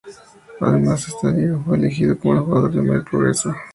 Además, en esa liga fue elegido como el Jugador de Mayor Progreso.